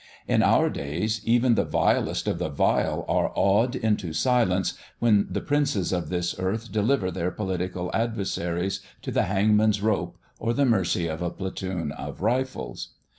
In our days, even the vilest of the vile are awed into silence when the princes of this earth deliver their political adversaries to the hangman's rope or the "mercy" of a platoon of rifles.